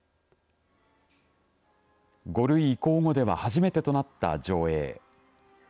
５類移行後では初めてとなった上映。